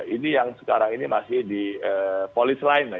ini yang sekarang ini masih di polis lain